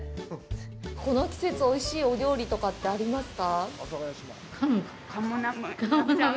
この季節、おいしいお料理とかってありますか。